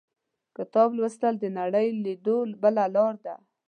• کتاب لوستل، د نړۍ لیدو بله لاره ده.